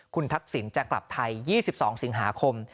คุณทักษิณจะกลับไทย๒๒สิงหาคม